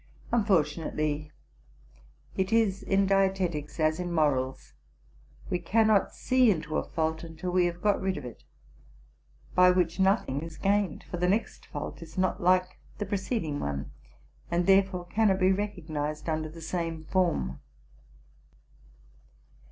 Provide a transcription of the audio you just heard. Unfortunately, it is in dietetics as in morals, — we cannot see into a fault till we have got rid of it; by which nothing is gained, for the next fault is not like the 290 TRUTH AND FICTION preceding one, and therefore cannot be recognized under the same form.